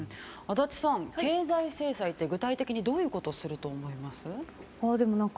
足立さん、経済制裁って具体的にどういうことをすると思います？